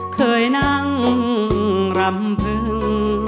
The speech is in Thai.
เคยนั่งรำพึง